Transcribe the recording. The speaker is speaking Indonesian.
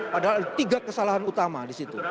padahal ada tiga kesalahan utama di situ